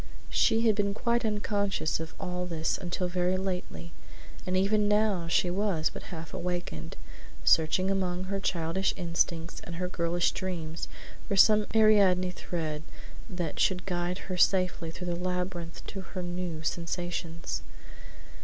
She had been quite unconscious of all this until very lately, and even now she was but half awakened; searching among her childish instincts and her girlish dreams for some Ariadne thread that should guide her safely through the labyrinth of her new sensations.